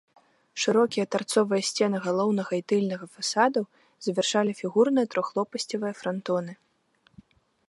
Шырокія тарцовыя сцены галоўнага і тыльнага фасадаў завяршалі фігурныя трохлопасцевыя франтоны.